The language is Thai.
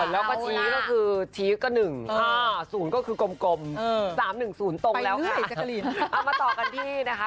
แล้วก็ชี้ก็คือ๑๐ก็คือกลม๓๑๐ตรงแล้วค่ะ